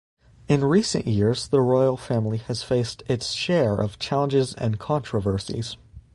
In recent years, the royal family has faced its share of challenges and controversies.